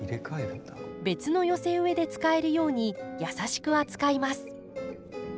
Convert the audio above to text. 別の寄せ植えで使えるように優しく扱います。